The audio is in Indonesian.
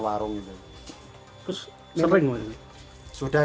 lepas itu mereka mencuri warung